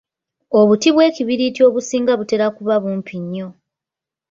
Obuti bw’ekibiriiti obusinga butera kuba bumpi nnyo.